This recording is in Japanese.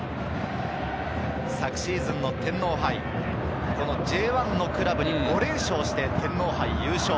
昨シーズンの天皇杯、Ｊ１のクラブに５連勝をして、天皇杯優勝。